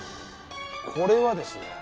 これはですね